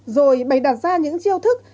rồi bày đặt ra những chiêu thức